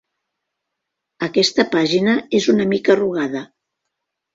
Aquesta pàgina és una mica arrugada.